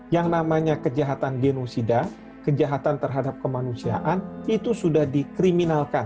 yang namanya kejahatan genosida kejahatan terhadap kemanusiaan itu sudah dikriminalkan